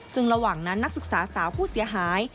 ซึ่งระหว่างนั้นนักศึกษาสาวผู้เสียหาย